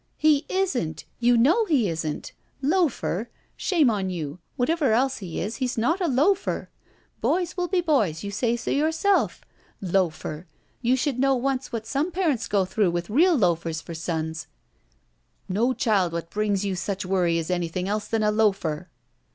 '* He isn't ! You know he isn't ! 'Loafer' ! Shame on you! Whatever else he is, he's not a loafer. Boys will be boys — ^you say so yourself. 'Loafer' I You shotdd know once what some parents go through with real loafers for sons —" "No child what brings you such worry is any thing else than a loafer!"